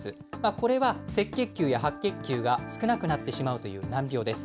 これは赤血球や白血球が少なくなってしまうという難病です。